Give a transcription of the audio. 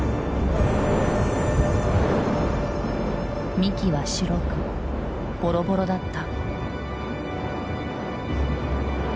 幹は白くボロボロだった。